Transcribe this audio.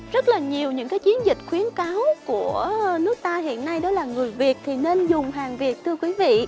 rất là nhiều những chiến dịch khuyến cáo của nước ta hiện nay đó là người việt thì nên dùng hàng việt thưa quý vị